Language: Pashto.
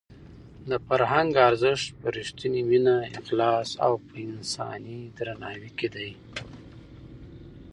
د فرهنګ ارزښت په رښتونې مینه، اخلاص او په انساني درناوي کې دی.